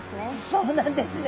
そうなんですね。